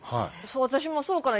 私もそうかな。